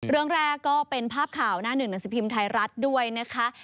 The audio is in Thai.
เรื่องแรกก็เป็นภาพข่าวหน้าหนึ่งหนังสือพิมพ์ไทยรัฐด้วยนะคะ